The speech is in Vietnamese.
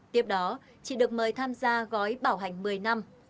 tiếp đó chị được mời tham gia gói bảo hành một mươi năm